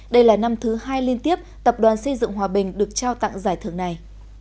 đây là năm thứ hai liên tiếp tập đoàn xây dựng hòa bình được trao tặng giải thưởng này